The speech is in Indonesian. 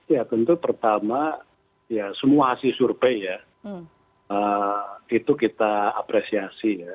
ya tentu pertama ya semua hasil survei ya itu kita apresiasi ya